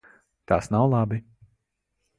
Tas nav labi.